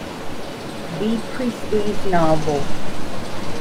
B. Priestley's novel.